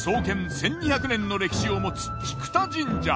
１２００年の歴史を持つ菊田神社。